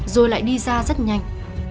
rồi lại đi ra rất nhanh